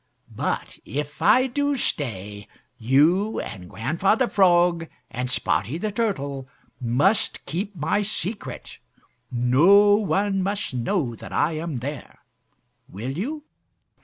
But if I do stay, you and Grandfather Frog and Spotty the Turtle must keep my secret. No one must know that I am there. Will you?"